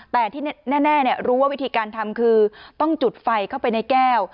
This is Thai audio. แต่ที่แน่รู้ว่าวิธีการทำคือต้องจุดไฟเข้าไปในแก้ว